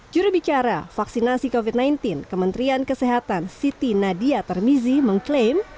jurubicara vaksinasi covid sembilan belas kementerian kesehatan siti nadia tarmizi mengklaim